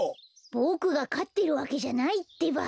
ボクがかってるわけじゃないってば。